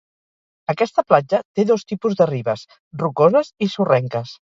Aquesta platja té dos tipus de ribes, rocoses i sorrenques.